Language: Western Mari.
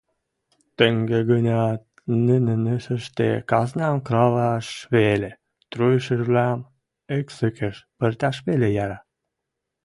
Тӹнге гӹнят, нӹнӹн ышышты казнам краваш веле, труйышывлӓм эксӹкӹш пырташ веле яра...